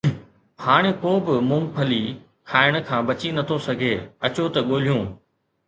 هاڻ ڪو به مونگ پھلي کائڻ کان بچي نٿو سگهي، اچو ته ڳولهيون